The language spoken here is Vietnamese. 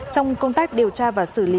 trong công tác điều tra và xử lý